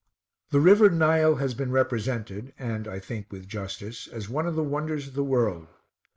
The river Nile has been represented, and I think with justice, as one of the wonders of the world.